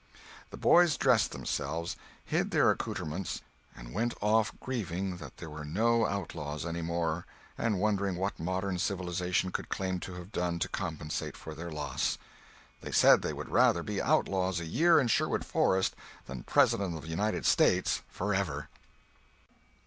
The boys dressed themselves, hid their accoutrements, and went off grieving that there were no outlaws any more, and wondering what modern civilization could claim to have done to compensate for their loss. They said they would rather be outlaws a year in Sherwood Forest than President of the United States forever.